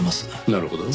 なるほど。